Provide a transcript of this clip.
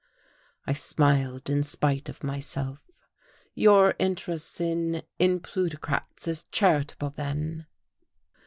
I smiled in spite of myself. "Your interest in in plutocrats is charitable, then?"